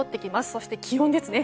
そして、気温ですね。